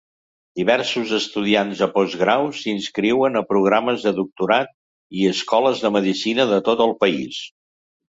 Diversos estudiants de postgrau s'inscriuen a programes de doctorat i escoles de medicina de tot el país.